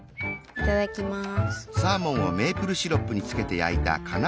いただきます。